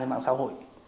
lên mạng xã hội